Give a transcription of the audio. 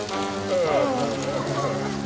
ああ。